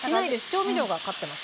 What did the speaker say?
調味料が勝ってます。